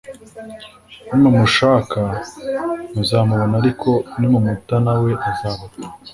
Nimumushaka muzamubona ariko nimumuta na we azabata